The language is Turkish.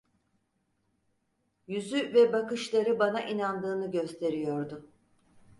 Yüzü ve bakışları bana inandığını gösteriyordu.